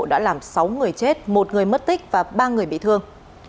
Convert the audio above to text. đã làm sáu người chết một người mất tích và ba người bị thương